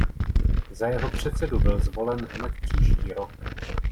Za jeho předsedu byl zvolen hned příští rok.